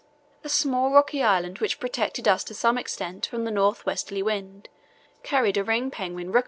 A small rocky island which protected us to some extent from the north westerly wind carried a ringed penguin rookery.